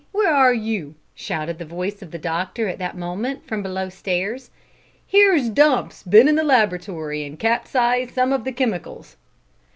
where are you?" shouted the voice of the doctor at that moment from below stairs. "Here's Dumps been in the laboratory, and capsized some of the chemicals!"